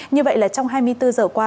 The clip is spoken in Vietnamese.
như vậy là trong hai mươi bốn giờ qua